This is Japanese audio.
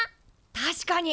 確かに！